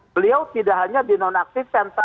beliau tidak hanya di non aktif tenta